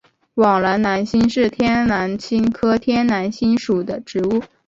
网檐南星是天南星科天南星属的植物。